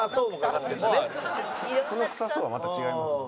その臭そうはまた違いますよ。